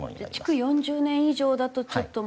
築４０年以上だとちょっともう。